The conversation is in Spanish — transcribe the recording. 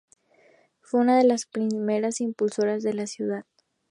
Fue una de las primeras impulsoras de la ciudad.